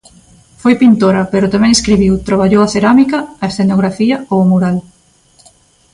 Foi pintora, pero tamén escribiu, traballou a cerámica, a escenografía ou o mural.